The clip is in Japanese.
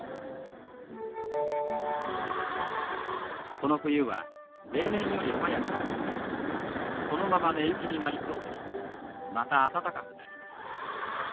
この冬は例年より早く雪が降りそのまま根雪になりそうでしたがまた暖かくなりました。